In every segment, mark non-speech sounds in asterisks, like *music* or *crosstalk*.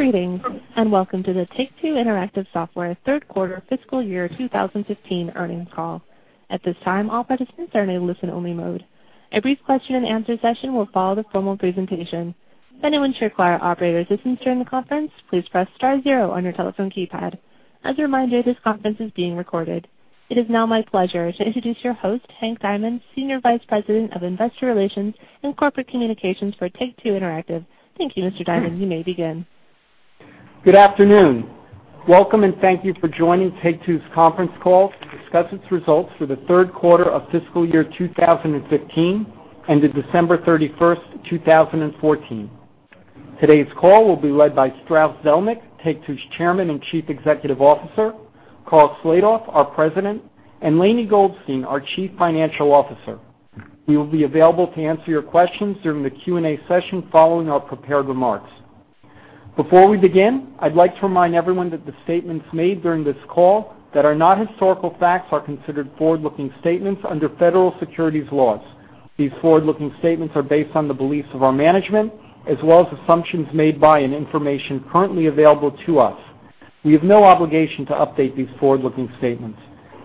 Greetings, welcome to the Take-Two Interactive Software third quarter fiscal year 2015 earnings call. At this time, all participants are in a listen-only mode. A brief question-and-answer session will follow the formal presentation. If anyone should require operator assistance during the conference, please press star zero on your telephone keypad. As a reminder, this conference is being recorded. It is now my pleasure to introduce your host, Hank Diamond, Senior Vice President of Investor Relations and Corporate Communications for Take-Two Interactive. Thank you, Mr. Diamond. You may begin. Good afternoon. Welcome, thank you for joining Take-Two's conference call to discuss its results for the third quarter of fiscal year 2015 ended December 31st, 2014. Today's call will be led by Strauss Zelnick, Take-Two's Chairman and Chief Executive Officer, Karl Slatoff, our President, and Lainie Goldstein, our Chief Financial Officer. We will be available to answer your questions during the Q&A session following our prepared remarks. Before we begin, I'd like to remind everyone that the statements made during this call that are not historical facts are considered forward-looking statements under federal securities laws. These forward-looking statements are based on the beliefs of our management, as well as assumptions made by and information currently available to us. We have no obligation to update these forward-looking statements.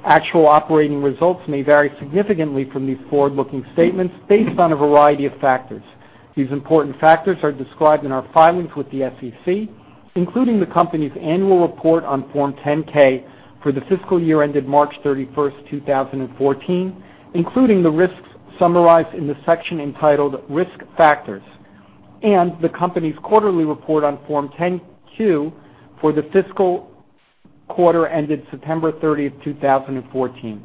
Actual operating results may vary significantly from these forward-looking statements based on a variety of factors. These important factors are described in our filings with the SEC, including the company's annual report on Form 10-K for the fiscal year ended March 31st, 2014, including the risks summarized in the section entitled Risk Factors, and the company's quarterly report on Form 10-Q for the fiscal quarter ended September 30th, 2014.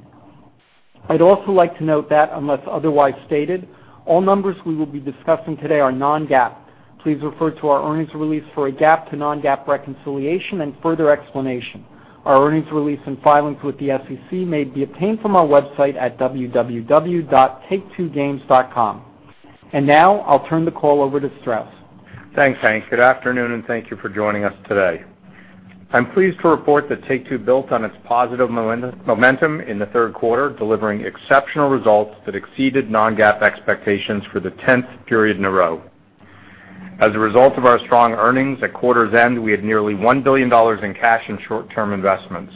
I'd also like to note that unless otherwise stated, all numbers we will be discussing today are non-GAAP. Please refer to our earnings release for a GAAP to non-GAAP reconciliation and further explanation. Our earnings release and filings with the SEC may be obtained from our website at www.taketwogames.com. Now I'll turn the call over to Strauss. Thanks, Hank. Good afternoon, thank you for joining us today. I'm pleased to report that Take-Two built on its positive momentum in the third quarter, delivering exceptional results that exceeded non-GAAP expectations for the 10th period in a row. As a result of our strong earnings, at quarter's end, we had nearly $1 billion in cash and short-term investments.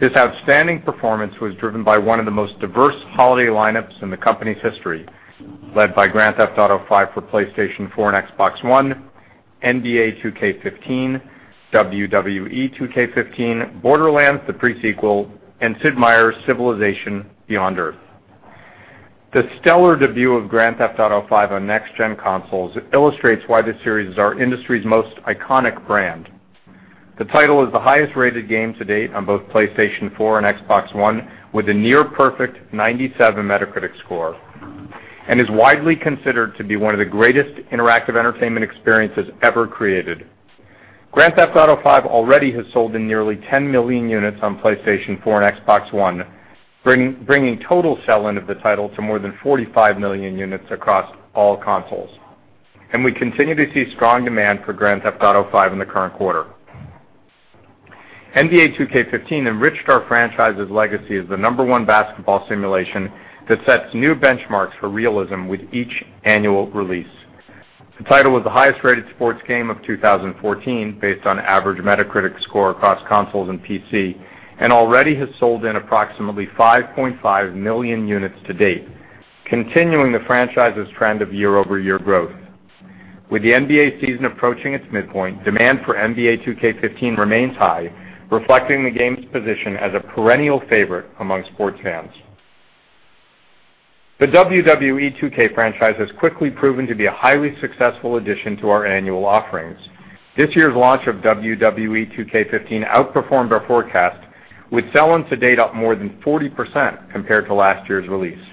This outstanding performance was driven by one of the most diverse holiday lineups in the company's history, led by Grand Theft Auto V for PlayStation 4 and Xbox One, NBA 2K15, WWE 2K15, Borderlands: The Pre-Sequel, and Sid Meier's Civilization: Beyond Earth. The stellar debut of Grand Theft Auto V on next-gen consoles illustrates why this series is our industry's most iconic brand. The title is the highest-rated game to date on both PlayStation 4 and Xbox One, with a near-perfect 97 Metacritic score, and is widely considered to be one of the greatest interactive entertainment experiences ever created. Grand Theft Auto V already has sold in nearly 10 million units on PlayStation 4 and Xbox One, bringing total sell-in of the title to more than 45 million units across all consoles. We continue to see strong demand for Grand Theft Auto V in the current quarter. NBA 2K15 enriched our franchise's legacy as the number 1 basketball simulation that sets new benchmarks for realism with each annual release. The title was the highest-rated sports game of 2014 based on average Metacritic score across consoles and PC, and already has sold in approximately 5.5 million units to date, continuing the franchise's trend of year-over-year growth. With the NBA season approaching its midpoint, demand for NBA 2K15 remains high, reflecting the game's position as a perennial favorite among sports fans. The WWE 2K franchise has quickly proven to be a highly successful addition to our annual offerings. This year's launch of WWE 2K15 outperformed our forecast with sell-ins to date up more than 40% compared to last year's release.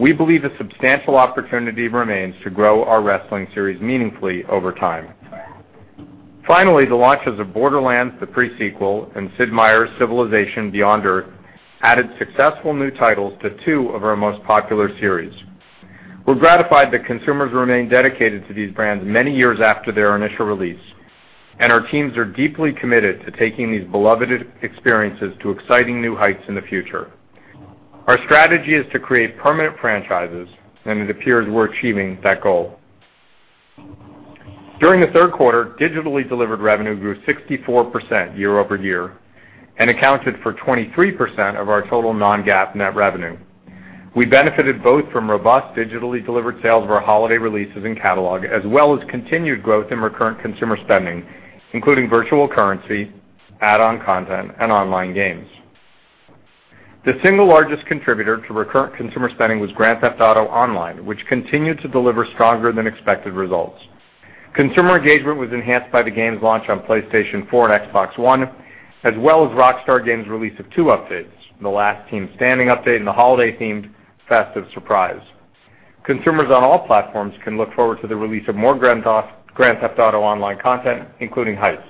We believe a substantial opportunity remains to grow our wrestling series meaningfully over time. The launches of Borderlands: The Pre-Sequel and Sid Meier's Civilization: Beyond Earth added successful new titles to two of our most popular series. We're gratified that consumers remain dedicated to these brands many years after their initial release, our teams are deeply committed to taking these beloved experiences to exciting new heights in the future. Our strategy is to create permanent franchises, it appears we're achieving that goal. During the third quarter, digitally delivered revenue grew 64% year over year and accounted for 23% of our total non-GAAP net revenue. We benefited both from robust digitally delivered sales of our holiday releases and catalog, as well as continued growth in recurrent consumer spending, including virtual currency, add-on content, and online games. The single largest contributor to recurrent consumer spending was Grand Theft Auto Online, which continued to deliver stronger than expected results. Consumer engagement was enhanced by the game's launch on PlayStation 4 and Xbox One, as well as Rockstar Games' release of two updates, The Last Team Standing Update and the holiday-themed Festive Surprise. Consumers on all platforms can look forward to the release of more Grand Theft Auto Online content, including Heists.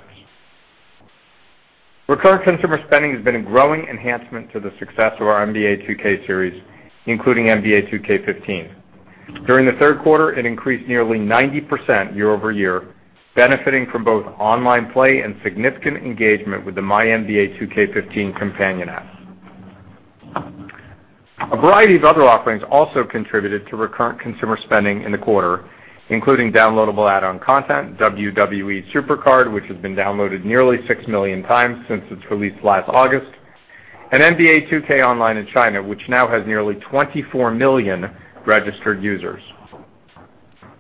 Recurrent consumer spending has been a growing enhancement to the success of our NBA 2K series, including NBA 2K15. During the third quarter, it increased nearly 90% year over year, benefiting from both online play and significant engagement with the MyNBA2K15 companion app. A variety of other offerings also contributed to recurrent consumer spending in the quarter, including downloadable add-on content, WWE SuperCard, which has been downloaded nearly 6 million times since its release last August, and NBA 2K Online in China, which now has nearly 24 million registered users.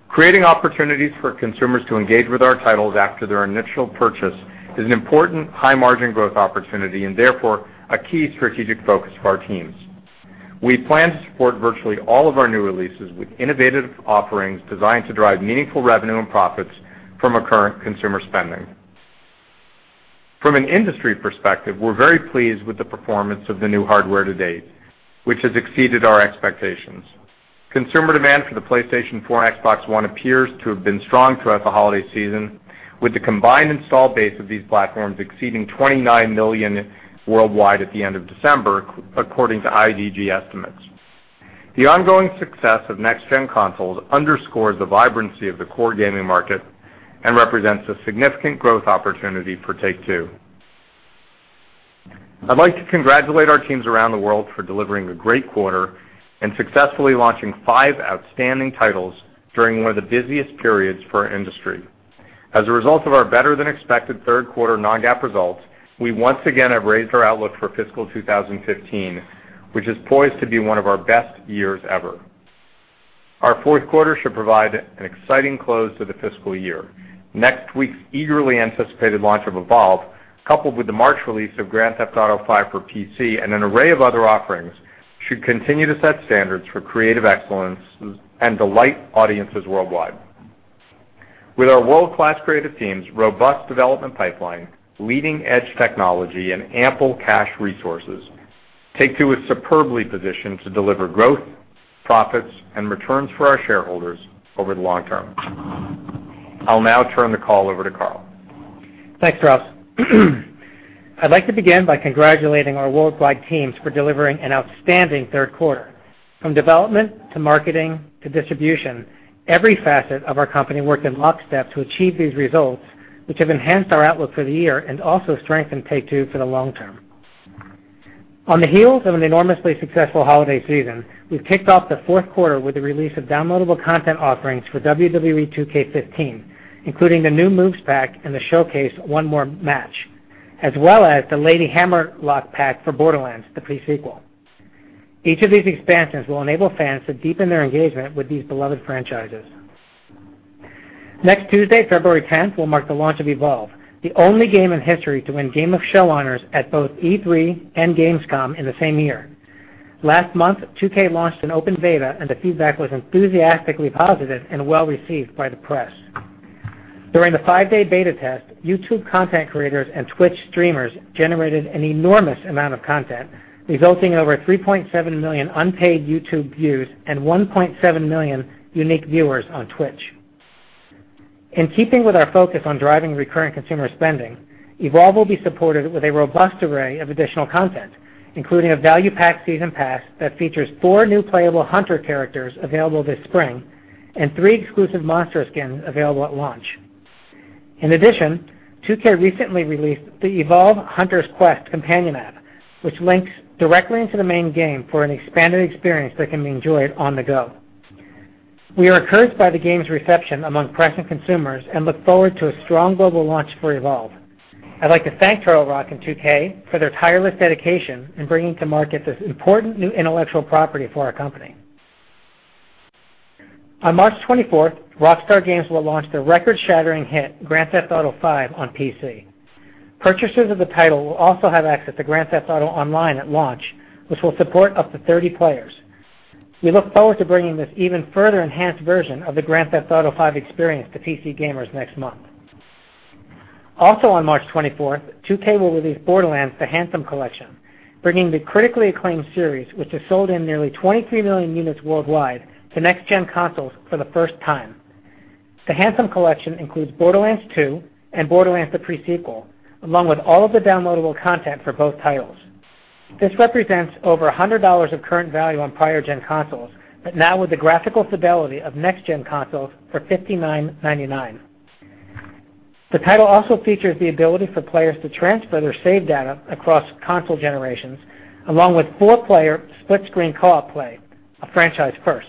Creating opportunities for consumers to engage with our titles after their initial purchase is an important high-margin growth opportunity and therefore a key strategic focus for our teams. We plan to support virtually all of our new releases with innovative offerings designed to drive meaningful revenue and profits from recurrent consumer spending. From an industry perspective, we're very pleased with the performance of the new hardware to date, which has exceeded our expectations. Consumer demand for the PlayStation 4 and Xbox One appears to have been strong throughout the holiday season, with the combined install base of these platforms exceeding 29 million worldwide at the end of December, according to IDC estimates. The ongoing success of next-gen consoles underscores the vibrancy of the core gaming market and represents a significant growth opportunity for Take-Two. I'd like to congratulate our teams around the world for delivering a great quarter and successfully launching five outstanding titles during one of the busiest periods for our industry. As a result of our better-than-expected third quarter non-GAAP results, we once again have raised our outlook for fiscal 2015, which is poised to be one of our best years ever. Our fourth quarter should provide an exciting close to the fiscal year. Next week's eagerly anticipated launch of Evolve, coupled with the March release of Grand Theft Auto V for PC and an array of other offerings, should continue to set standards for creative excellence and delight audiences worldwide. With our world-class creative teams, robust development pipeline, leading-edge technology, and ample cash resources, Take-Two is superbly positioned to deliver growth, profits, and returns for our shareholders over the long term. I'll now turn the call over to Karl. Thanks, Strauss. I'd like to begin by congratulating our worldwide teams for delivering an outstanding third quarter. From development to marketing to distribution, every facet of our company worked in lockstep to achieve these results, which have enhanced our outlook for the year and also strengthened Take-Two for the long term. On the heels of an enormously successful holiday season, we've kicked off the fourth quarter with the release of downloadable content offerings for WWE 2K15, including the New Moves Pack and the showcase One More Match, as well as the Lady Hammerlock Pack for Borderlands: The Pre-Sequel. Each of these expansions will enable fans to deepen their engagement with these beloved franchises. Next Tuesday, February 10th, will mark the launch of Evolve, the only game in history to win Game of Show honors at both E3 and Gamescom in the same year. Last month, 2K launched an open beta. The feedback was enthusiastically positive and well-received by the press. During the five-day beta test, YouTube content creators and Twitch streamers generated an enormous amount of content, resulting in over 3.7 million unpaid YouTube views and 1.7 million unique viewers on Twitch. In keeping with our focus on driving recurrent consumer spending, Evolve will be supported with a robust array of additional content, including a value pack season pass that features four new playable Hunter characters available this spring and three exclusive monster skins available at launch. In addition, 2K recently released the Evolve: Hunter's Quest companion app, which links directly into the main game for an expanded experience that can be enjoyed on the go. We are encouraged by the game's reception among present consumers and look forward to a strong global launch for Evolve. I'd like to thank Turtle Rock and 2K for their tireless dedication in bringing to market this important new intellectual property for our company. On March 24th, Rockstar Games will launch their record-shattering hit, Grand Theft Auto V, on PC. Purchasers of the title will also have access to Grand Theft Auto Online at launch, which will support up to 30 players. We look forward to bringing this even further enhanced version of the Grand Theft Auto V experience to PC gamers next month. Also on March 24th, 2K will release Borderlands: The Handsome Collection, bringing the critically acclaimed series, which has sold in nearly 23 million units worldwide, to next-gen consoles for the first time. The Handsome Collection includes Borderlands 2 and Borderlands: The Pre-Sequel, along with all of the downloadable content for both titles. This represents over $100 of current value on prior gen consoles, now with the graphical stability of next-gen consoles for $59.99. The title also features the ability for players to transfer their save data across console generations, along with four-player split-screen co-op play, a franchise first.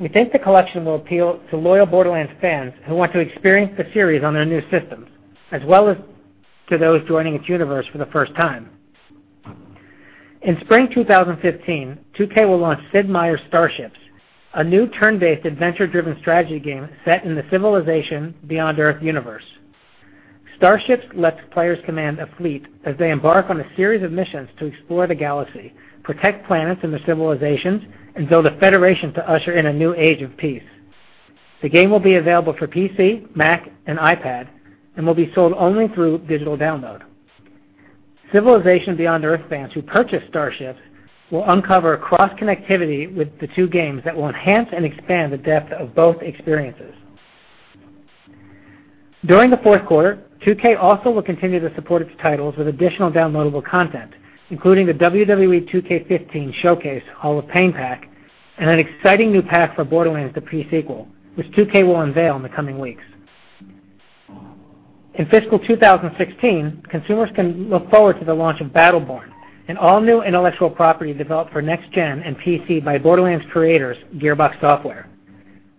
We think the collection will appeal to loyal Borderlands fans who want to experience the series on their new systems, as well as to those joining its universe for the first time. In spring 2015, 2K will launch Sid Meier's Starships, a new turn-based, adventure-driven strategy game set in the Civilization: Beyond Earth universe. Starships lets players command a fleet as they embark on a series of missions to explore the galaxy, protect planets and their civilizations, and build a federation to usher in a new age of peace. The game will be available for PC, Mac, and iPad. Will be sold only through digital download. Civilization: Beyond Earth fans who purchase Starships will uncover cross-connectivity with the two games that will enhance and expand the depth of both experiences. During the fourth quarter, 2K also will continue to support its titles with additional downloadable content, including the WWE 2K15 Showcase Hall of Pain pack and an exciting new pack for Borderlands: The Pre-Sequel, which 2K will unveil in the coming weeks. In fiscal 2016, consumers can look forward to the launch of Battleborn, an all-new intellectual property developed for next-gen and PC by Borderlands creators, Gearbox Software.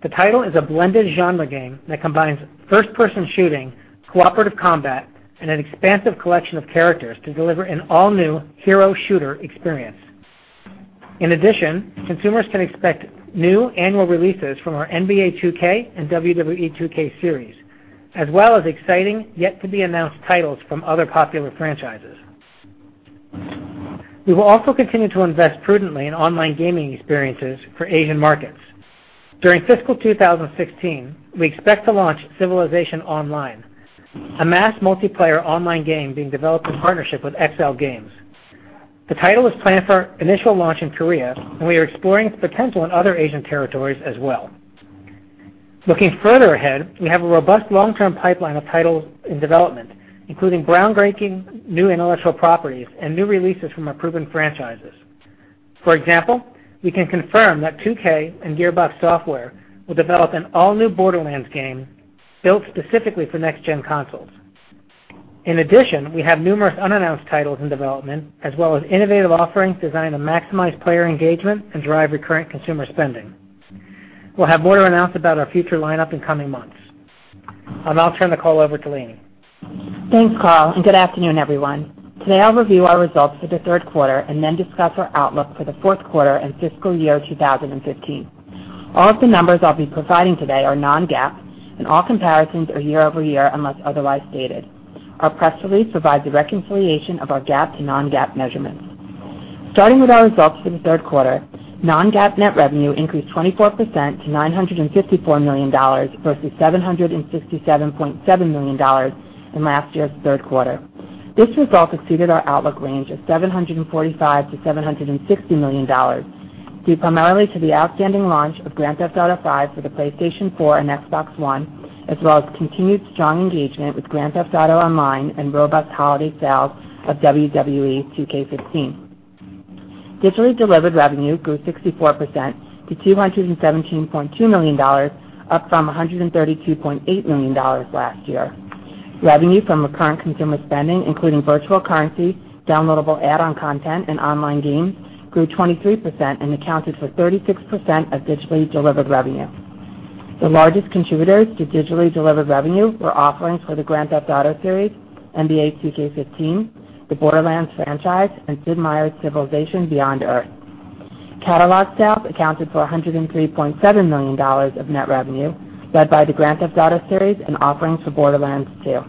The title is a blended genre game that combines first-person shooting, cooperative combat, and an expansive collection of characters to deliver an all-new hero shooter experience. In addition, consumers can expect new annual releases from our NBA 2K and WWE 2K series, as well as exciting, yet to be announced titles from other popular franchises. We will also continue to invest prudently in online gaming experiences for Asian markets. During fiscal 2016, we expect to launch Civilization Online, a massively multiplayer online game being developed in partnership with XLGAMES. The title is planned for initial launch in Korea, and we are exploring its potential in other Asian territories as well. Looking further ahead, we have a robust long-term pipeline of titles in development, including groundbreaking new intellectual properties and new releases from our proven franchises. For example, we can confirm that 2K and Gearbox Software will develop an all-new Borderlands game built specifically for next-gen consoles. In addition, we have numerous unannounced titles in development, as well as innovative offerings designed to maximize player engagement and drive recurrent consumer spending. We'll have more to announce about our future lineup in coming months. I'll now turn the call over to Lainie. Thanks, Karl, good afternoon, everyone. Today, I'll review our results for the third quarter. Then discuss our outlook for the fourth quarter and fiscal year 2015. All of the numbers I'll be providing today are non-GAAP. All comparisons are year-over-year unless otherwise stated. Our press release provides a reconciliation of our GAAP to non-GAAP measurements. Starting with our results for the third quarter, non-GAAP net revenue increased 24% to $954 million versus $767.7 million in last year's third quarter. This result exceeded our outlook range of $745 million-$760 million, due primarily to the outstanding launch of "Grand Theft Auto V" for the PlayStation 4 and Xbox One, as well as continued strong engagement with "Grand Theft Auto Online" and robust holiday sales of "WWE 2K15." Digitally delivered revenue grew 64% to $217.2 million, up from $132.8 million last year. Revenue from recurrent consumer spending, including virtual currency, downloadable add-on content, and online games, grew 23%. Accounted for 36% of digitally delivered revenue. The largest contributors to digitally delivered revenue were offerings for the "Grand Theft Auto" series, "NBA 2K15," the "Borderlands" franchise, and Sid Meier's "Civilization: Beyond Earth." Catalog sales accounted for $103.7 million of net revenue, led by the "Grand Theft Auto" series and offerings for "Borderlands 2."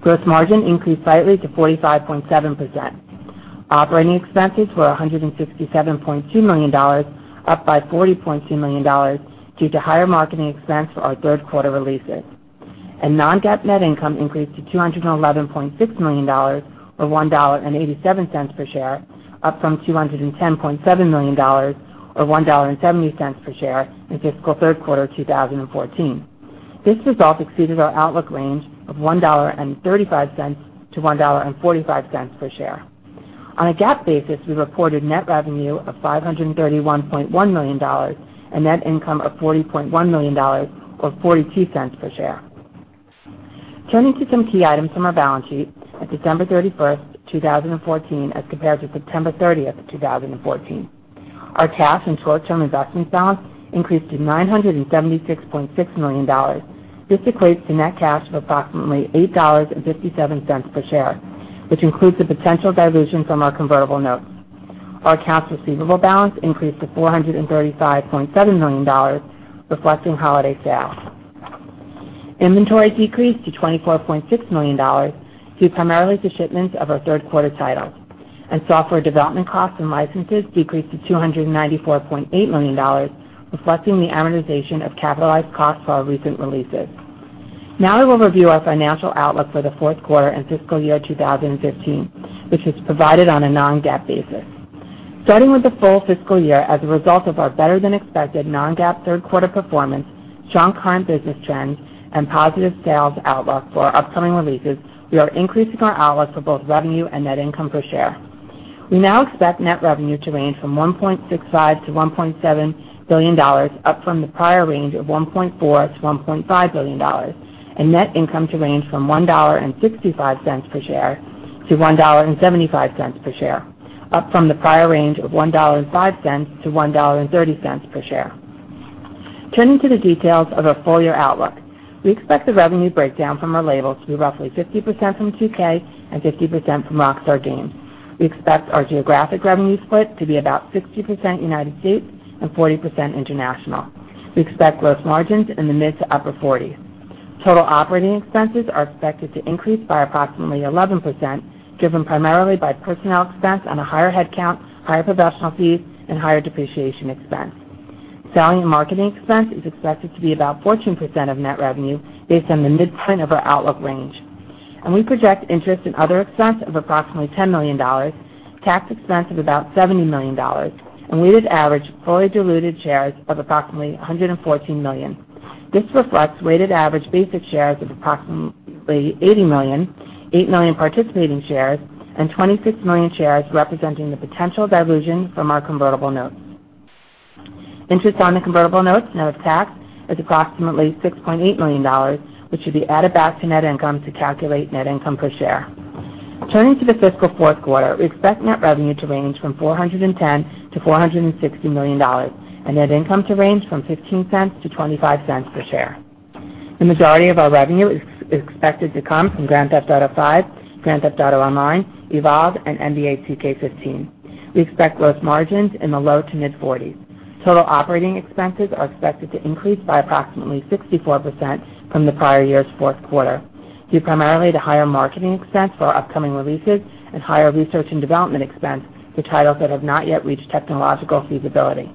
Gross margin increased slightly to 45.7%. Operating expenses were $167.2 million, up by $40.2 million due to higher marketing expense for our third quarter releases. Non-GAAP net income increased to $211.6 million, or $1.87 per share, up from $210.7 million, or $1.70 per share in fiscal third quarter 2014. This result exceeded our outlook range of $1.35-$1.45 per share. On a GAAP basis, we reported net revenue of $531.1 million and net income of $40.1 million, or $0.42 per share. Turning to some key items from our balance sheet at December 31st, 2014 as compared to September 30th, 2014. Our cash and short-term investment balance increased to $976.6 million. This equates to net cash of approximately $8.57 per share, which includes the potential dilution from our convertible notes. Our accounts receivable balance increased to $435.7 million, reflecting holiday sales. Inventory decreased to $24.6 million due primarily to shipments of our third-quarter titles. Software development costs and licenses decreased to $294.8 million, reflecting the amortization of capitalized costs for our recent releases. Now I will review our financial outlook for the fourth quarter and fiscal year 2015, which is provided on a non-GAAP basis. Starting with the full fiscal year as a result of our better-than-expected non-GAAP third quarter performance, strong current business trends, and positive sales outlook for our upcoming releases, we are increasing our outlook for both revenue and net income per share. We now expect net revenue to range from $1.65 billion-$1.7 billion, up from the prior range of $1.4 billion-$1.5 billion, and net income to range from $1.65 per share-$1.75 per share, up from the prior range of $1.05 per share-$1.30 per share. Turning to the details of our full-year outlook, we expect the revenue breakdown from our labels to be roughly 50% from 2K and 50% from Rockstar Games. We expect our geographic revenue split to be about 60% U.S. and 40% international. We expect gross margins in the mid to upper 40s. Total operating expenses are expected to increase by approximately 11%, driven primarily by personnel expense on a higher headcount, higher professional fees, and higher depreciation expense. Selling and marketing expense is expected to be about 14% of net revenue based on the midpoint of our outlook range. We project interest and other expense of approximately $10 million, tax expense of about $70 million, and weighted average fully diluted shares of approximately 114 million. This reflects weighted average basic shares of approximately 80 million, 8 million participating shares, and 26 million shares representing the potential dilution from our convertible notes. Interest on the convertible notes, net of tax, is approximately $6.8 million, which should be added back to net income to calculate net income per share. Turning to the fiscal fourth quarter, we expect net revenue to range from $410 million-$460 million and net income to range from $0.15 per share-$0.25 per share. The majority of our revenue is expected to come from Grand Theft Auto V, Grand Theft Auto Online, Evolve, and NBA 2K15. We expect gross margins in the low to mid-40s. Total operating expenses are expected to increase by approximately 64% from the prior year's fourth quarter, due primarily to higher marketing expense for our upcoming releases and higher research and development expense for titles that have not yet reached technological feasibility.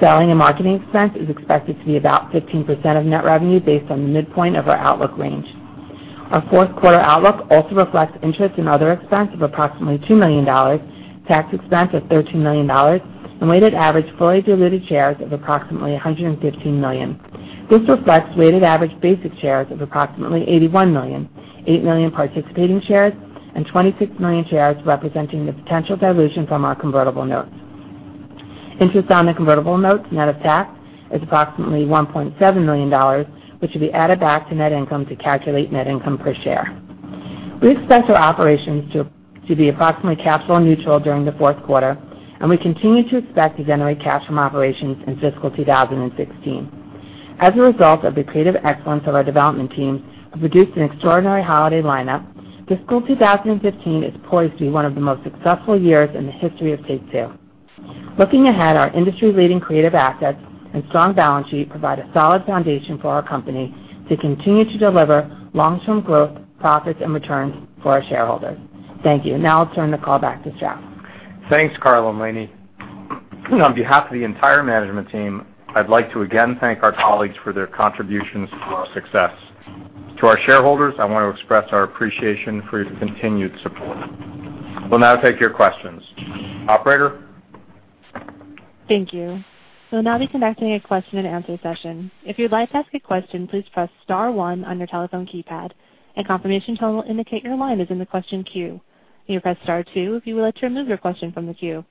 Selling and marketing expense is expected to be about 15% of net revenue based on the midpoint of our outlook range. Our fourth quarter outlook also reflects interest in other expense of approximately $2 million, tax expense of $13 million, and weighted average fully diluted shares of approximately 115 million. This reflects weighted average basic shares of approximately 81 million, 8 million participating shares, and 26 million shares representing the potential dilution from our convertible notes. Interest on the convertible notes, net of tax, is approximately $1.7 million, which should be added back to net income to calculate net income per share. We expect our operations to be approximately capital neutral during the fourth quarter, and we continue to expect to generate cash from operations in fiscal 2016. As a result of the creative excellence of our development team, who produced an extraordinary holiday lineup, fiscal 2015 is poised to be one of the most successful years in the history of Take-Two. Looking ahead, our industry-leading creative assets and strong balance sheet provide a solid foundation for our company to continue to deliver long-term growth, profits, and returns for our shareholders. Thank you. Now I'll turn the call back to Strauss Zelnick. Thanks, Karl and Lainie. On behalf of the entire management team, I'd like to again thank our colleagues for their contributions to our success. To our shareholders, I want to express our appreciation for your continued support. We'll now take your questions. Operator? Thank you. We'll now be connecting a question and answer session. If you'd like to ask a question, please press *1 on your telephone keypad. A confirmation tone will indicate your line is in the question queue. You may press star two if you would like to remove your question from the queue.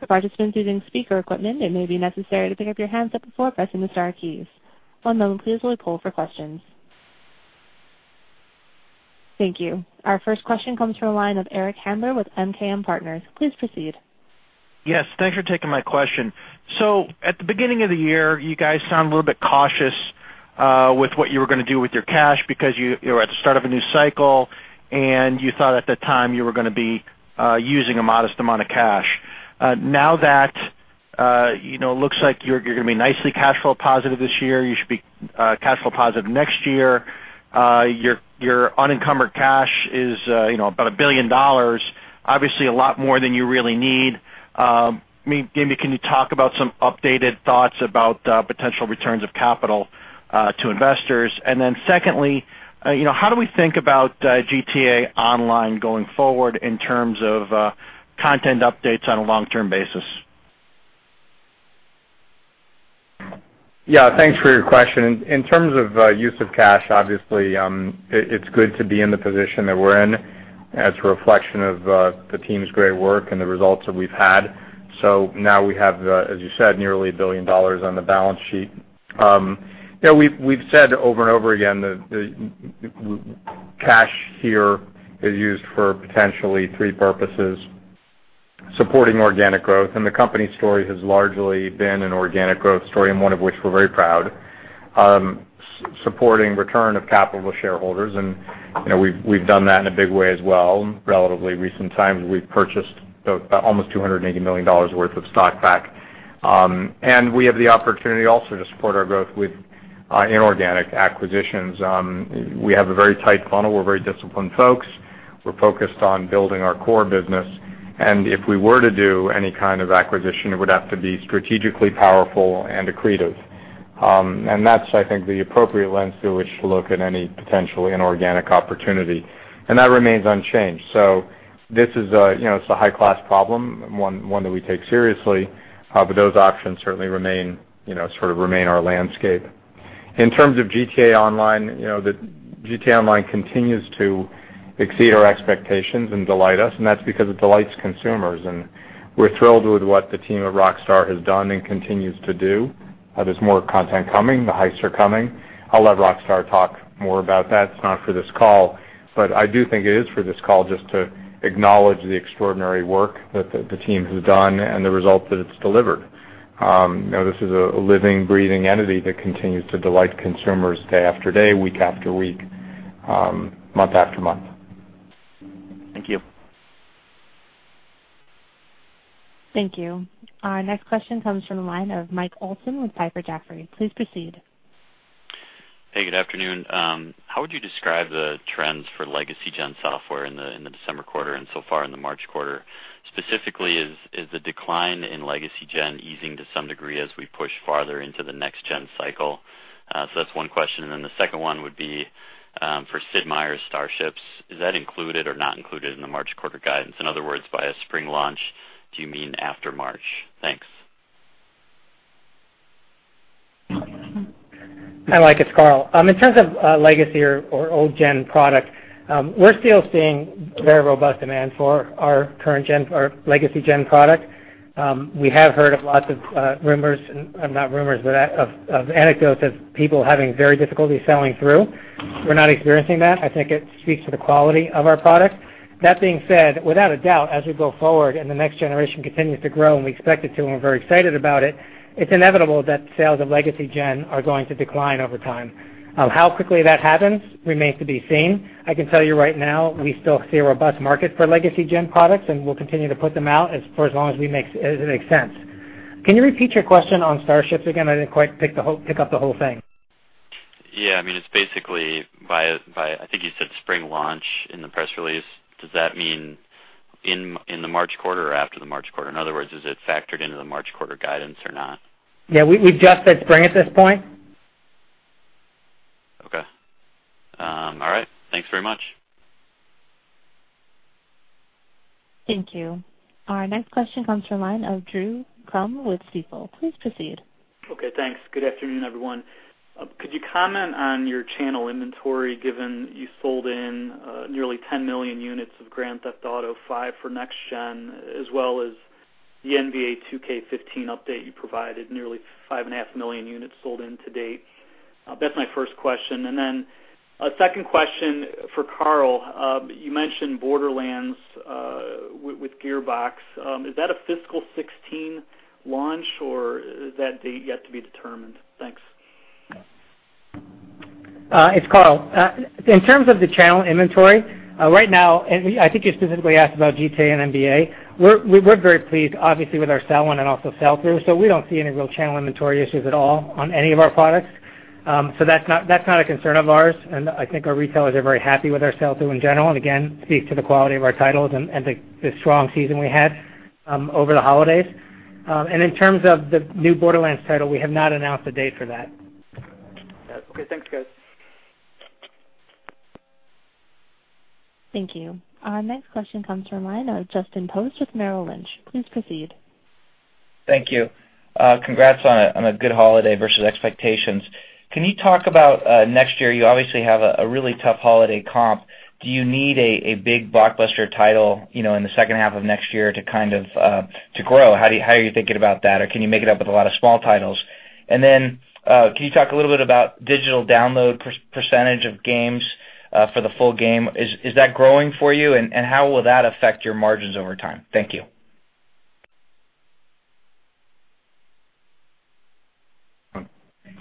For participants using speaker equipment, it may be necessary to pick up your handset before pressing the star keys. One moment please while we poll for questions. Thank you. Our first question comes from the line of Eric Handler with MKM Partners. Please proceed. Yes, thanks for taking my question. At the beginning of the year, you guys sounded a little bit cautious with what you were going to do with your cash because you were at the start of a new cycle, and you thought at that time you were going to be using a modest amount of cash. Now that it looks like you're going to be nicely cash flow positive this year, you should be cash flow positive next year. Your unencumbered cash is about $1 billion. Obviously, a lot more than you really need. Maybe can you talk about some updated thoughts about potential returns of capital to investors? Secondly, how do we think about GTA Online going forward in terms of content updates on a long-term basis? Yeah, thanks for your question. In terms of use of cash, obviously, it's good to be in the position that we're in as a reflection of the team's great work and the results that we've had. Now we have, as you said, nearly $1 billion on the balance sheet. We've said over and over again that cash here is used for potentially three purposes, supporting organic growth, and the company story has largely been an organic growth story, and one of which we're very proud. Supporting return of capital to shareholders. We've done that in a big way as well. In relatively recent times, we've purchased almost $280 million worth of stock back. We have the opportunity also to support our growth with inorganic acquisitions. We have a very tight funnel. We're very disciplined folks. We're focused on building our core business. If we were to do any kind of acquisition, it would have to be strategically powerful and accretive. That's, I think, the appropriate lens through which to look at any potential inorganic opportunity. That remains unchanged. This is a high-class problem, and one that we take seriously. Those options certainly remain our landscape. In terms of GTA Online, GTA Online continues to exceed our expectations and delight us, and that's because it delights consumers, and we're thrilled with what the team at Rockstar has done and continues to do. There's more content coming. The Heists are coming. I'll let Rockstar talk more about that. It's not for this call. I do think it is for this call just to acknowledge the extraordinary work that the team has done and the results that it's delivered. This is a living, breathing entity that continues to delight consumers day after day, week after week, month after month. Thank you. Thank you. Our next question comes from the line of Michael Olson with Piper Jaffray. Please proceed. Hey, good afternoon. How would you describe the trends for legacy gen software in the December quarter and so far in the March quarter? Specifically, is the decline in legacy gen easing to some degree as we push farther into the next gen cycle? That's one question. The second one would be for Sid Meier's Starships. Is that included or not included in the March quarter guidance? In other words, by a spring launch, do you mean after March? Thanks. Hi, it's Karl. In terms of legacy or old-gen product, we're still seeing very robust demand for our current legacy gen product. We have heard of lots of anecdotes of people having very difficulty selling through. We're not experiencing that. I think it speaks to the quality of our product. That being said, without a doubt, as we go forward and the next generation continues to grow, and we expect it to, and we're very excited about it's inevitable that sales of legacy gen are going to decline over time. How quickly that happens remains to be seen. I can tell you right now, we still see a robust market for legacy gen products, and we'll continue to put them out for as long as it makes sense. Can you repeat your question on Starships again? I didn't quite pick up the whole thing. Yeah. It's basically by, I think you said spring launch in the press release. Does that mean in the March quarter or after the March quarter? In other words, is it factored into the March quarter guidance or not? Yeah, we've just said spring at this point. Okay. All right. Thanks very much. Thank you. Our next question comes from the line of Drew Crum with Stifel. Please proceed. Okay, thanks. Good afternoon, everyone. Could you comment on your channel inventory given you sold in nearly 10 million units of Grand Theft Auto V for Next Gen, as well as the NBA 2K15 update you provided, nearly five and a half million units sold into date. That's my first question. A second question for Karl. You mentioned Borderlands with Gearbox. Is that a fiscal 2016 launch or is that date yet to be determined? Thanks. It's Karl. In terms of the channel inventory, right now. I think you specifically asked about GTA and NBA. We're very pleased, obviously, with our sell-in and also sell-through. We don't see any real channel inventory issues at all on any of our products. That's not a concern of ours, and I think our retailers are very happy with our sell-through in general, and again, speaks to the quality of our titles and the strong season we had over the holidays. In terms of the new Borderlands title, we have not announced a date for that. Okay. Thanks, guys. Thank you. Our next question comes from the line of Justin Post with Merrill Lynch. Please proceed. Thank you. Congrats on a good holiday versus expectations. Can you talk about next year? You obviously have a really tough holiday comp. Do you need a big blockbuster title in the second half of next year to grow? How are you thinking about that? Or can you make it up with a lot of small titles? Then, can you talk a little bit about digital download % of games for the full game? Is that growing for you and how will that affect your margins over time? Thank you.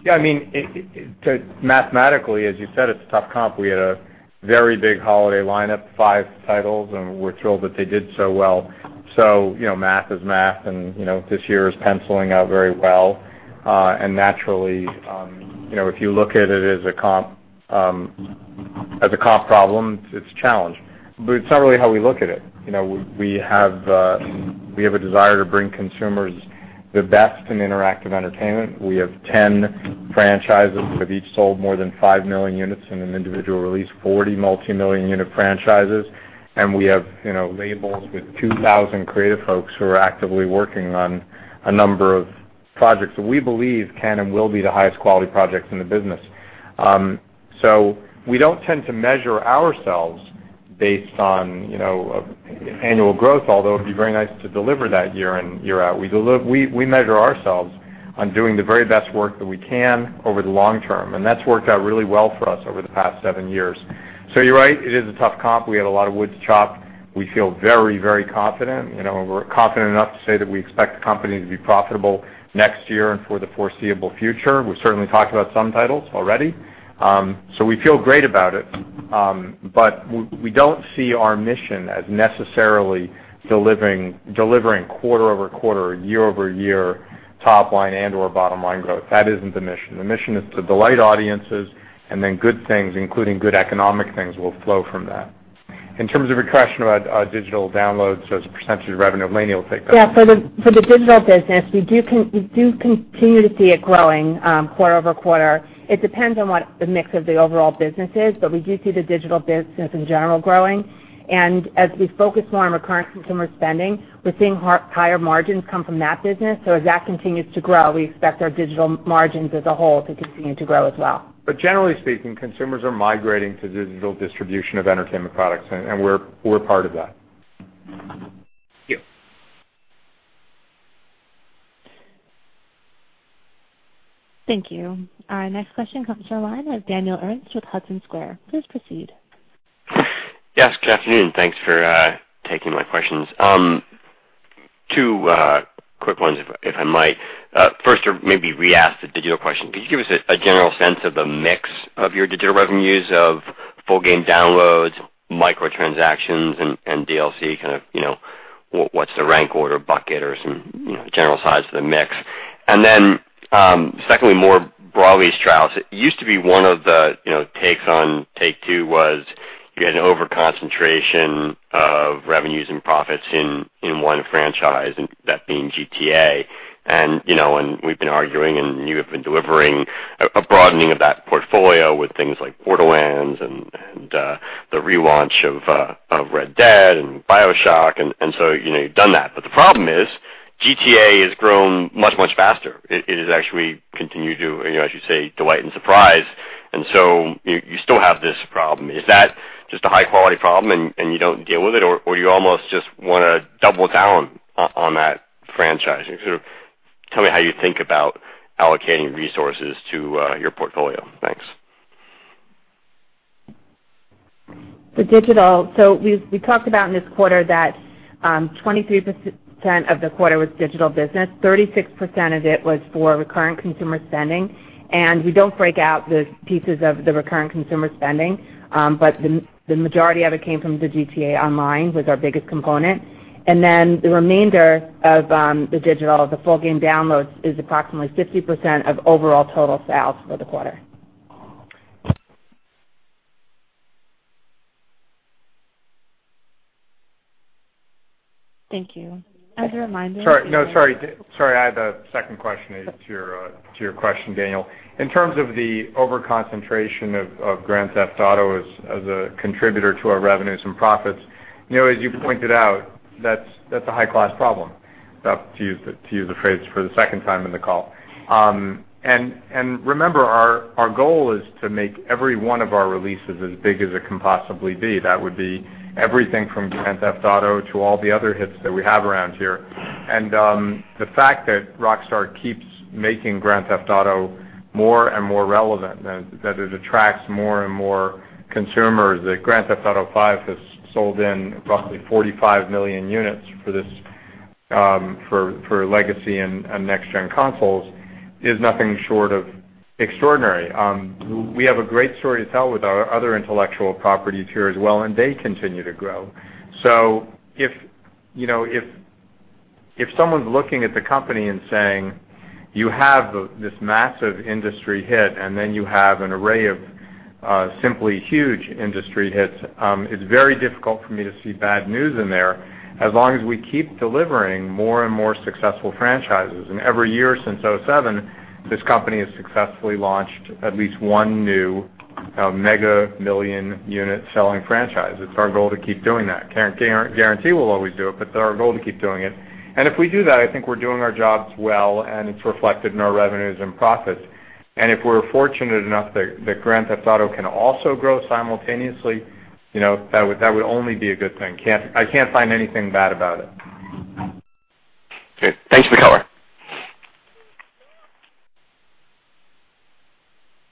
Yeah. Mathematically, as you said, it's a tough comp. We had a very big holiday lineup, 5 titles, and we're thrilled that they did so well. Math is math, and this year is penciling out very well. Naturally, if you look at it as a comp problem, it's a challenge, but it's not really how we look at it. We have a desire to bring consumers the best in interactive entertainment. We have 10 franchises that have each sold more than 5 million units in an individual release, 40 multi-million-unit franchises. We have labels with 2,000 creative folks who are actively working on a number of projects that we believe can and will be the highest quality projects in the business. We don't tend to measure ourselves based on annual growth, although it'd be very nice to deliver that year in, year out. We measure ourselves on doing the very best work that we can over the long term, and that's worked out really well for us over the past seven years. You're right. It is a tough comp. We had a lot of wood to chop. We feel very confident, and we're confident enough to say that we expect the company to be profitable next year and for the foreseeable future. We've certainly talked about some titles already. We feel great about it. We don't see our mission as necessarily delivering quarter-over-quarter or year-over-year top line and/or bottom line growth. That isn't the mission. The mission is to delight audiences and then good things, including good economic things, will flow from that. In terms of your question about digital downloads as a percentage of revenue, Lainie will take that. Yeah. For the digital business, we do continue to see it growing, quarter-over-quarter. It depends on what the mix of the overall business is, but we do see the digital business in general growing. As we focus more on recurring consumer spending, we're seeing higher margins come from that business. As that continues to grow, we expect our digital margins as a whole to continue to grow as well. Generally speaking, consumers are migrating to digital distribution of entertainment products, and we're part of that. Thank you. Thank you. Our next question comes from the line of Daniel Ernst with Hudson Square. Please proceed. Yes, good afternoon. Thanks for taking my questions. Two quick ones, if I might. First, or maybe re-ask the digital question. Could you give us a general sense of the mix of your digital revenues of full game downloads, micro-transactions, and DLC? Kind of what's the rank order bucket or some general size of the mix? Secondly, more broadly, Strauss, it used to be one of the takes on Take-Two was you had an over-concentration of revenues and profits in one franchise, and that being GTA. We've been arguing, and you have been delivering a broadening of that portfolio with things like Borderlands and the re-launch of Red Dead and BioShock, you've done that. The problem is- GTA has grown much, much faster. It has actually continued to, as you say, delight and surprise, you still have this problem. Is that just a high-quality problem and you don't deal with it, or you almost just want to double down on that franchise? Tell me how you think about allocating resources to your portfolio. Thanks. The digital. We talked about in this quarter that 23% of the quarter was digital business, 36% of it was for recurring consumer spending, we don't break out the pieces of the recurring consumer spending. The majority of it came from the GTA Online, was our biggest component. The remainder of the digital, the full game downloads, is approximately 50% of overall total sales for the quarter. Thank you. As a reminder- Sorry. I have a second question to your question, Daniel. In terms of the over-concentration of Grand Theft Auto as a contributor to our revenues and profits, as you pointed out, that's a high-class problem, to use the phrase for the second time in the call. Remember, our goal is to make every one of our releases as big as it can possibly be. That would be everything from Grand Theft Auto to all the other hits that we have around here. The fact that Rockstar keeps making Grand Theft Auto more and more relevant, that it attracts more and more consumers, that Grand Theft Auto 5 has sold in roughly 45 million units for legacy and next-gen consoles, is nothing short of extraordinary. We have a great story to tell with our other intellectual properties here as well, they continue to grow. If someone's looking at the company and saying, you have this massive industry hit, you have an array of simply huge industry hits, it's very difficult for me to see bad news in there as long as we keep delivering more and more successful franchises. Every year since 2007, this company has successfully launched at least one new mega million unit selling franchise. It's our goal to keep doing that. Can't guarantee we'll always do it's our goal to keep doing it. If we do that, I think we're doing our jobs well, it's reflected in our revenues and profits. If we're fortunate enough that Grand Theft Auto can also grow simultaneously, that would only be a good thing. I can't find anything bad about it. Okay. Thanks for the color.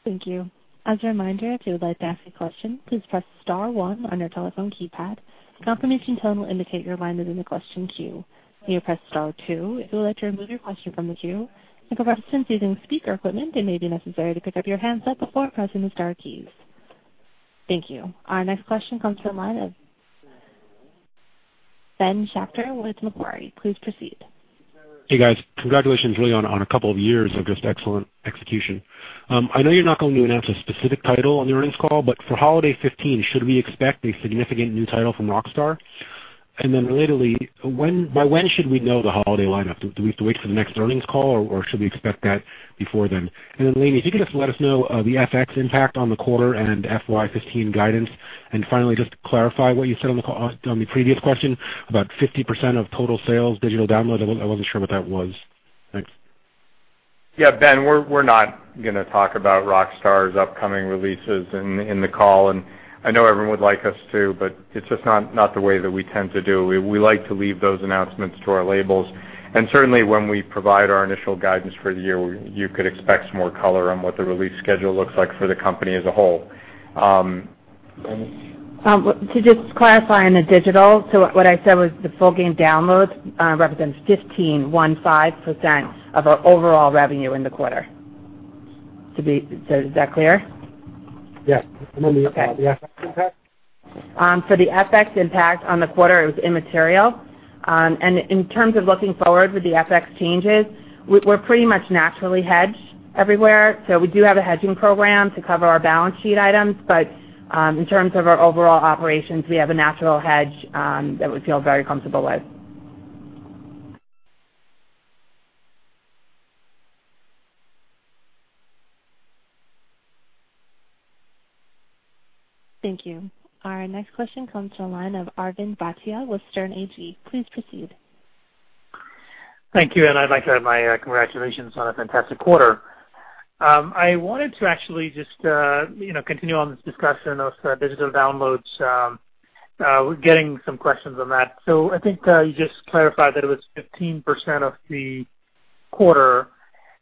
Thank you. As a reminder, if you would like to ask a question, please press star one on your telephone keypad. A confirmation tone will indicate your line is in the question queue. When you press star two, it will let you remove your question from the queue. For participants using speaker equipment, it may be necessary to pick up your handset before pressing the star keys. Thank you. Our next question comes from the line of Ben Schachter with Macquarie. Please proceed. Hey, guys. Congratulations, really, on a couple of years of just excellent execution. I know you're not going to announce a specific title on the earnings call, but for holiday 2015, should we expect a significant new title from Rockstar? Relatedly, by when should we know the holiday lineup? Do we have to wait for the next earnings call, or should we expect that before then? Lainie, if you could just let us know the FX impact on the quarter and FY 2015 guidance. Finally, just to clarify what you said on the previous question about 50% of total sales, digital downloads, I wasn't sure what that was. Thanks. Yeah, Ben, we're not going to talk about Rockstar's upcoming releases in the call. I know everyone would like us to, but it's just not the way that we tend to do. We like to leave those announcements to our labels. Certainly, when we provide our initial guidance for the year, you could expect some more color on what the release schedule looks like for the company as a whole. Lainie? To just clarify on the digital, what I said was the full game downloads represents 15% of our overall revenue in the quarter. Is that clear? Yes. Okay. The FX impact? For the FX impact on the quarter, it was immaterial. In terms of looking forward with the FX changes, we're pretty much naturally hedged everywhere. We do have a hedging program to cover our balance sheet items. In terms of our overall operations, we have a natural hedge that we feel very comfortable with. Thank you. Our next question comes to the line of Arvind Bhatia with Sterne Agee. Please proceed. Thank you, and I'd like to add my congratulations on a fantastic quarter. I wanted to actually just continue on this discussion of digital downloads. We're getting some questions on that. I think you just clarified that it was 15% of the quarter.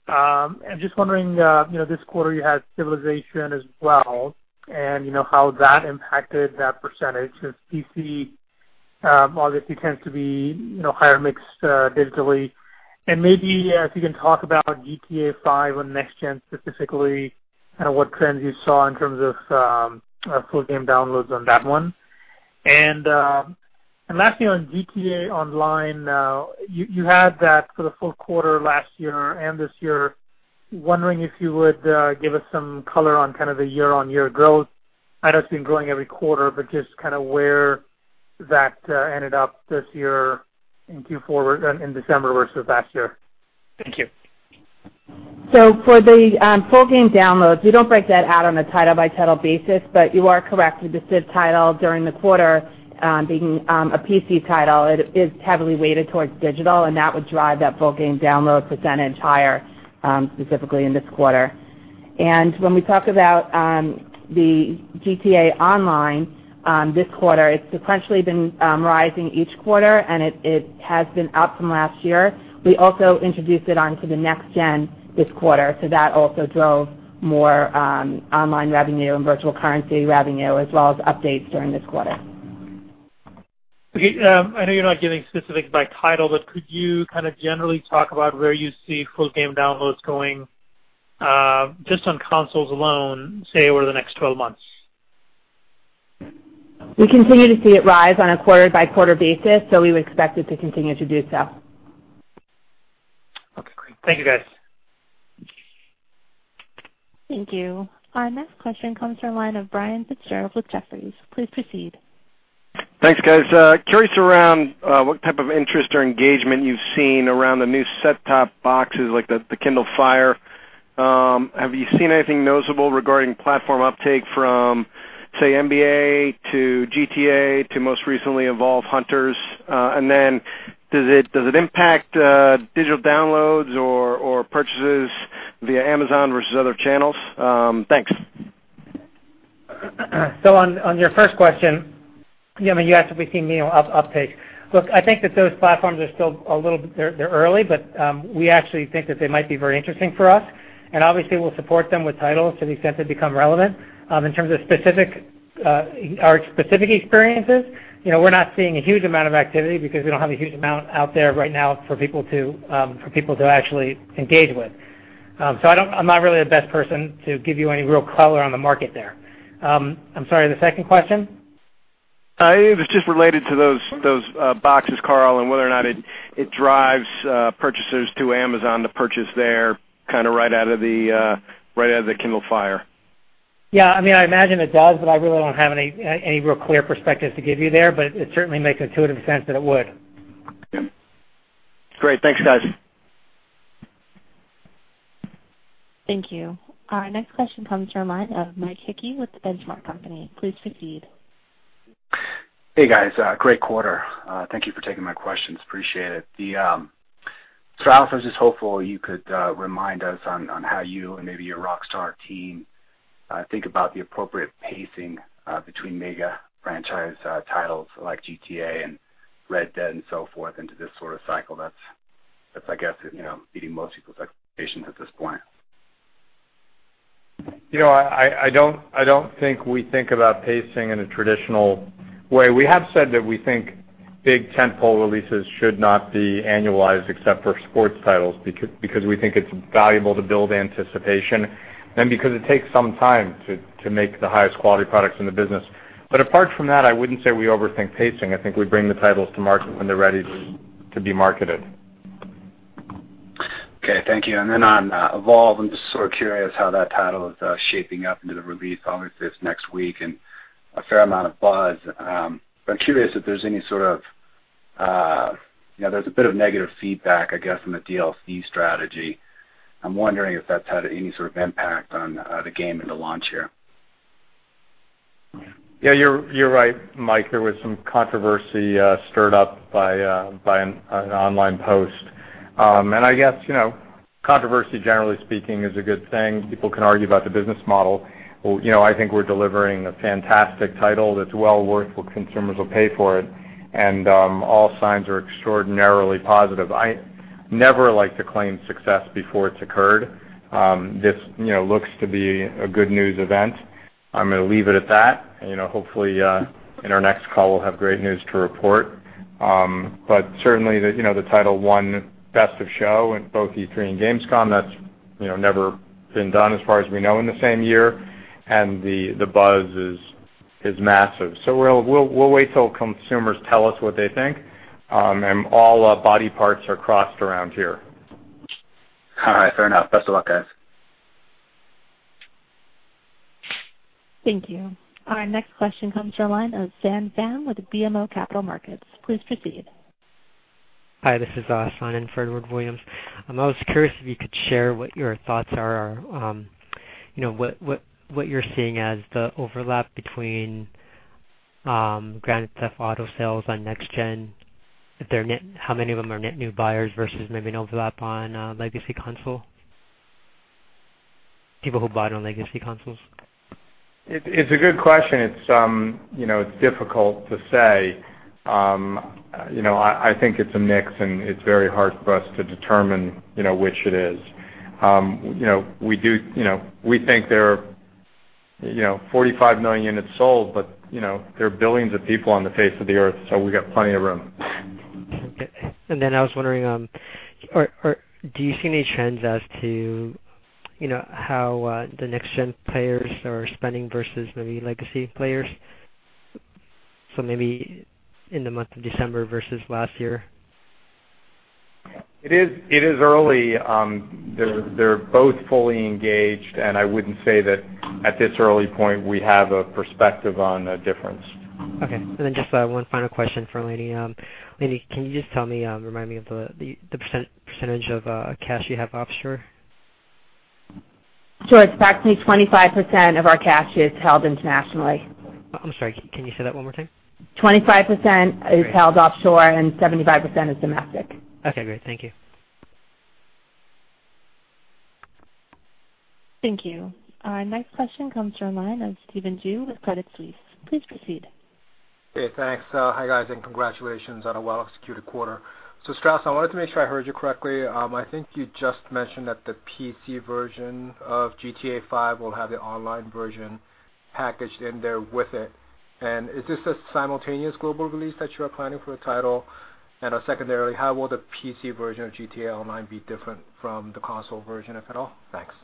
I'm just wondering, this quarter you had Civilization as well, and how that impacted that percentage, because PC obviously tends to be higher mixed digitally. Maybe if you can talk about GTA V on next gen, specifically what trends you saw in terms of full game downloads on that one. Lastly, on GTA Online, you had that for the full quarter last year and this year. Wondering if you would give us some color on kind of the year-on-year growth. I know it's been growing every quarter, but just kind of where that ended up this year in Q4 in December versus last year. Thank you. For the full game downloads, we don't break that out on a title-by-title basis. You are correct, the specific title during the quarter, being a PC title, it is heavily weighted towards digital, and that would drive that full game download percentage higher, specifically in this quarter. When we talk about the GTA Online, this quarter, it's sequentially been rising each quarter, and it has been up from last year. We also introduced it onto the next gen this quarter, so that also drove more online revenue and virtual currency revenue, as well as updates during this quarter. Okay. I know you're not giving specifics by title, could you generally talk about where you see full game downloads going, just on consoles alone, say, over the next 12 months? We continue to see it rise on a quarter-by-quarter basis. We would expect it to continue to do so. Okay, great. Thank you, guys. Thank you. Our next question comes from the line of Brian Fitzgerald with Jefferies. Please proceed. Thanks, guys. Curious around what type of interest or engagement you've seen around the new set-top boxes like the Fire TV. Have you seen anything noticeable regarding platform uptake from, say, NBA to GTA to most recently Evolve: Hunter's Quest? Does it impact digital downloads or purchases via Amazon versus other channels? Thanks. On your first question, you asked if we've seen any uptake. Look, I think that those platforms are still a little bit early, but we actually think that they might be very interesting for us. Obviously we'll support them with titles to the extent they become relevant. In terms of our specific experiences, we're not seeing a huge amount of activity because we don't have a huge amount out there right now for people to actually engage with. I'm not really the best person to give you any real color on the market there. I'm sorry, the second question? It was just related to those boxes, Karl, and whether or not it drives purchasers to Amazon to purchase there right out of the Fire TV. Yeah, I imagine it does, but I really don't have any real clear perspective to give you there. It certainly makes intuitive sense that it would. Okay. Great. Thanks, guys. Thank you. Our next question comes from the line of Mike Hickey with The Benchmark Company. Please proceed. Hey, guys. Great quarter. Thank you for taking my questions. Appreciate it. *inaudible* I was just hopeful you could remind us on how you and maybe your Rockstar team think about the appropriate pacing between mega franchise titles like GTA and Red Dead and so forth into this sort of cycle that's, I guess, beating most people's expectations at this point. I don't think we think about pacing in a traditional way. We have said that we think big tentpole releases should not be annualized except for sports titles, because we think it's valuable to build anticipation and because it takes some time to make the highest quality products in the business. Apart from that, I wouldn't say we overthink pacing. I think we bring the titles to market when they're ready to be marketed. Okay, thank you. Then on Evolve, I'm just sort of curious how that title is shaping up into the release, obviously it's next week, and a fair amount of buzz. I'm curious if there's any there's a bit of negative feedback, I guess, from the DLC strategy. I'm wondering if that's had any sort of impact on the game and the launch here. Yeah, you're right, Mike. There was some controversy stirred up by an online post. I guess controversy, generally speaking, is a good thing. People can argue about the business model. I think we're delivering a fantastic title that's well worth what consumers will pay for it. All signs are extraordinarily positive. I never like to claim success before it's occurred. This looks to be a good news event. I'm going to leave it at that. Hopefully, in our next call, we'll have great news to report. Certainly, the title won best of show in both E3 and Gamescom. That's never been done, as far as we know, in the same year. The buzz is massive. We'll wait till consumers tell us what they think. All body parts are crossed around here. All right, fair enough. Best of luck, guys. Thank you. Our next question comes from the line of *inaudible* with BMO Capital Markets. Please proceed. Hi, this is Ghadan for Edward Williams. I was curious if you could share what your thoughts are, what you're seeing as the overlap between Grand Theft Auto sales on next gen, how many of them are net new buyers versus maybe an overlap on a legacy console. People who bought on legacy consoles. It's a good question. It's difficult to say. I think it's a mix, and it's very hard for us to determine which it is. We think there are 45 million units sold, but there are billions of people on the face of the earth, we've got plenty of room. Okay. I was wondering, do you see any trends as to how the next-gen players are spending versus maybe legacy players? Maybe in the month of December versus last year? It is early. They're both fully engaged, I wouldn't say that at this early point, we have a perspective on a difference. Okay. Just one final question for Lainie. Lainie, can you just remind me of the % of cash you have offshore? Sure. Approximately 25% of our cash is held internationally. I'm sorry, can you say that one more time? 25% is held offshore, and 75% is domestic. Okay, great. Thank you. Thank you. Our next question comes from the line of Stephen Ju with Credit Suisse. Please proceed. Hey, thanks. Hi, guys. Congratulations on a well-executed quarter. Strauss, I wanted to make sure I heard you correctly. I think you just mentioned that the PC version of GTA V will have the Online version packaged in there with it. Is this a simultaneous global release that you are planning for the title? Secondarily, how will the PC version of GTA Online be different from the console version, if at all? Thanks.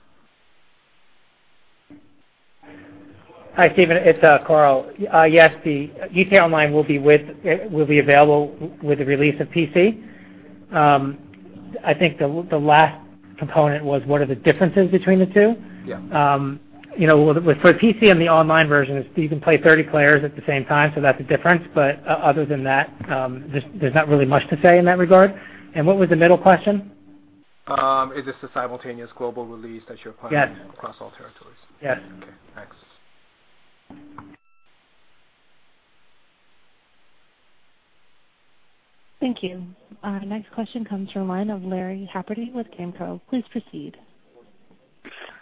Hi, Stephen. It's Karl. Yes, the GTA Online will be available with the release of PC. I think the last component was, what are the differences between the two? Yeah. For PC and the Online version, you can play 30 players at the same time. That's a difference. Other than that, there's not really much to say in that regard. What was the middle question? Is this a simultaneous global release that you're planning- Yes. -across all territories? Yes. Okay, thanks. Thank you. Our next question comes from the line of Lawrence Haverty with Gamco. Please proceed.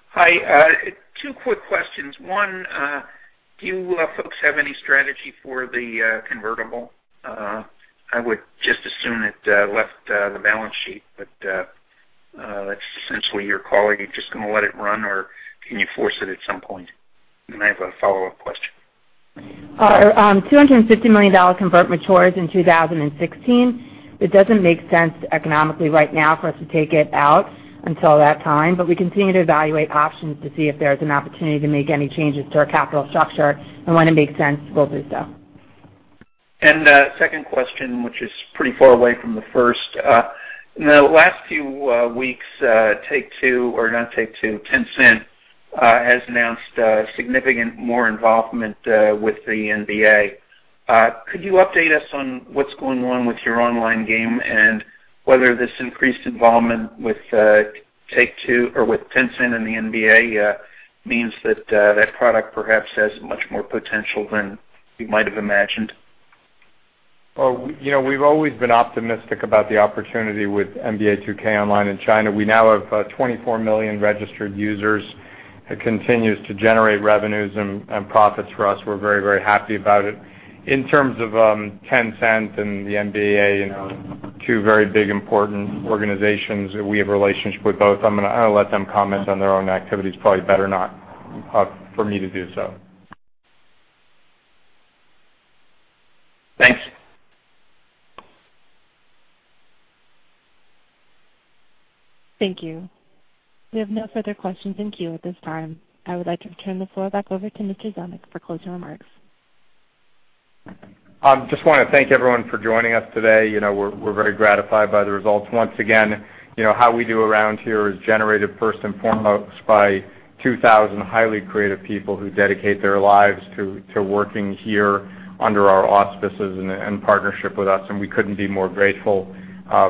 Hi. Two quick questions. One, do you folks have any strategy for the convertible? I would just assume it left the balance sheet, that's essentially your call. Are you just going to let it run, or can you force it at some point? I have a follow-up question. Our $250 million convert matures in 2016. It doesn't make sense economically right now for us to take it out until that time, we continue to evaluate options to see if there's an opportunity to make any changes to our capital structure, when it makes sense, we'll do so. Second question, which is pretty far away from the first. In the last few weeks, Tencent has announced significant more involvement with the NBA. Could you update us on what's going on with your online game and whether this increased involvement with Tencent and the NBA means that product perhaps has much more potential than you might have imagined? Well, we've always been optimistic about the opportunity with "NBA 2K Online" in China. We now have 24 million registered users. It continues to generate revenues and profits for us. We're very happy about it. In terms of Tencent and the NBA, two very big, important organizations, we have relationships with both. I'm going to let them comment on their own activities. Probably better not for me to do so. Thanks. Thank you. We have no further questions in queue at this time. I would like to turn the floor back over to Mr. Zelnick for closing remarks. Just want to thank everyone for joining us today. We're very gratified by the results. Once again, how we do around here is generated first and foremost by 2,000 highly creative people who dedicate their lives to working here under our auspices and partnership with us. We couldn't be more grateful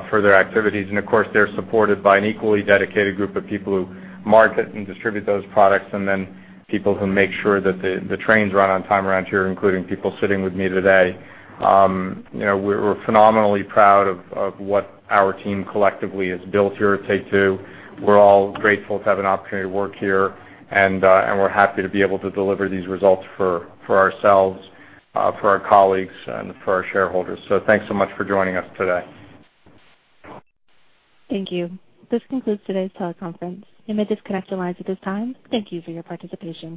for their activities. Of course, they're supported by an equally dedicated group of people who market and distribute those products. Then people who make sure that the trains run on time around here, including people sitting with me today. We're phenomenally proud of what our team collectively has built here at Take-Two. We're all grateful to have an opportunity to work here. We're happy to be able to deliver these results for ourselves, for our colleagues, and for our shareholders. Thanks so much for joining us today. Thank you. This concludes today's teleconference. You may disconnect your lines at this time. Thank you for your participation.